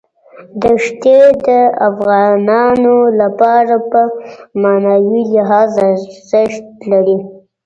دښتې د افغانانو لپاره په معنوي لحاظ ارزښت لري.